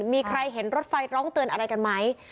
มีใครเห็นรถไฟร้องเตือนอะไรกันไหม